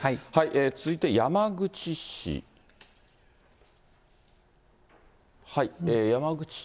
続いて山口市。